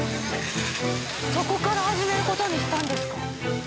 そこから始める事にしたんですか？